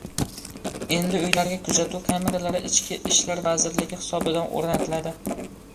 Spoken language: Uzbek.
Endi uylarga kuzatuv kameralari ichki ishlarvazirligi hisobidan oʻrnatiladi.